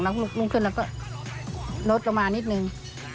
แล้วก็ลุกขึ้นแล้วก็ลดลงมานิดนึง